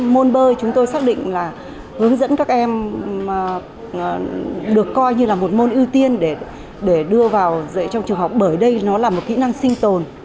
môn bơi chúng tôi xác định là hướng dẫn các em được coi như là một môn ưu tiên để đưa vào dạy trong trường học bởi đây nó là một kỹ năng sinh tồn